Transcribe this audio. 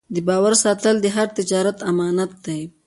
د باور ساتل د هر تجارت امانت دی.